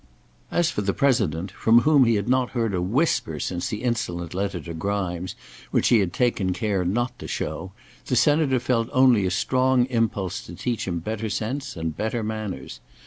As for the President, from whom he had not heard a whisper since the insolent letter to Grimes, which he had taken care not to show, the Senator felt only a strong impulse to teach him better sense and better manners.